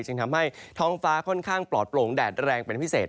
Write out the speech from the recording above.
จึงทำให้ท้องฟ้าค่อนข้างปลอดโปร่งแดดแรงเป็นพิเศษ